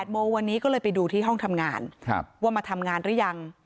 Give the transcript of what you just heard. โมงวันนี้ก็เลยไปดูที่ห้องทำงานว่ามาทำงานหรือยัง